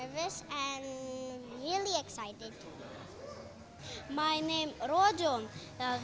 dan para ibu bapaku juga